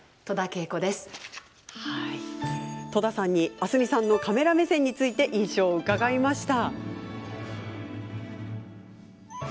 明日海さんのカメラ目線について印象を伺いました。